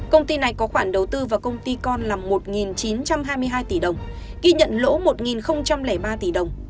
công ty này có khoản đầu tư vào công ty con là một chín trăm hai mươi hai tỷ đồng ghi nhận lỗ một ba tỷ đồng